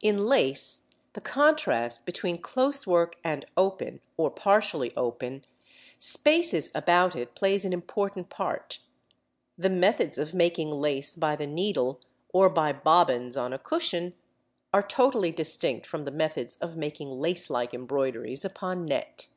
In lace, the contrast between close work and open, or partially open, spaces about it plays an important part. The methods of making lace by the needle, or by bobbins on a cushion, are totally distinct from the methods of making lace like embroideries upon net.